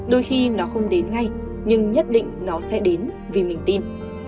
đôi khi nó không đến ngay nhưng nhất định nó sẽ đến vì mình tin